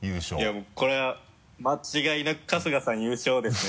もうこれは間違いなく春日さん優勝ですね。